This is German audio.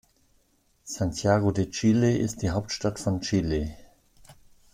Santiago de Chile ist die Hauptstadt von Chile.